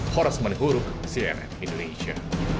horas menurut crn indonesia